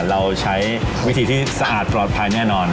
เราใช้วิธีที่สะอาดปลอดภัยแน่นอน